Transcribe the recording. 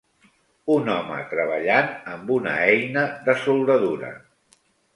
Un home treballant amb una eina de soldadura.